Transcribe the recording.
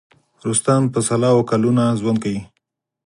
رستم په سل هاوو کلونه ژوند کوي.